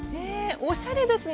おしゃれですね！